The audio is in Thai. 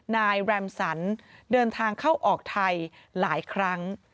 นายแรมสันเดินทางเข้าออกไทยหลายครั้ง